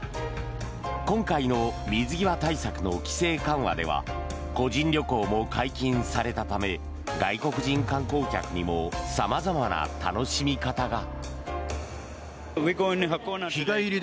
今回の水際対策の規制緩和では個人旅行も解禁されたため外国人観光客にも様々な楽しみ方が。